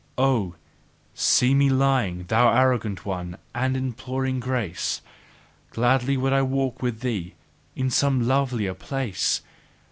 Oh, see me lying, thou arrogant one, and imploring grace! Gladly would I walk with thee in some lovelier place!